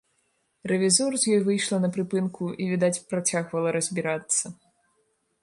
Рэвізор з ёй выйшла на прыпынку і, відаць, працягвала разбірацца.